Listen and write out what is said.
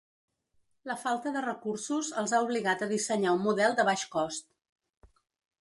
La falta de recursos els ha obligat a dissenyar un model de baix cost.